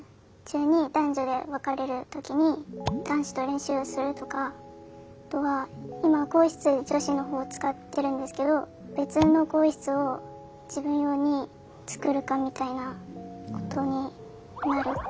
男子と練習をするとかあとは今更衣室女子の方を使ってるんですけど別の更衣室を自分用につくるかみたいなことになるかなと。